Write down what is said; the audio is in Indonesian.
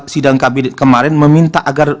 sidang kabinet kemarin meminta agar